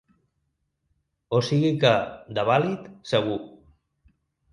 O sigui que, de vàlid, segur.